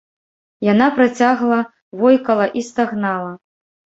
Яна працягла войкала і стагнала.